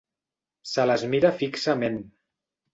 Se les mira fixament.